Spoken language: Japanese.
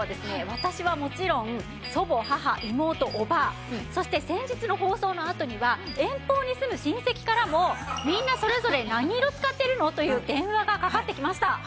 私はもちろん祖母母妹叔母そして先日の放送のあとには遠方に住む親戚からもみんなそれぞれ何色使ってるの？という電話がかかってきました。